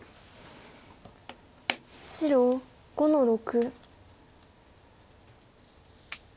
白５の六。